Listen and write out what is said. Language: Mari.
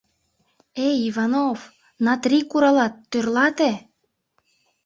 — Эй, Иванов, «на три» куралат, тӧрлате!